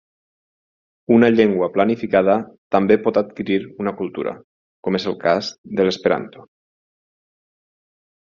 Una llengua planificada també pot adquirir una cultura, com és el cas de l'esperanto.